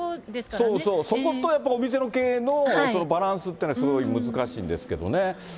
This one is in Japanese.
そうそう、そことやっぱり、お店の経営のバランスっていうのがすごい難しいんですけどね。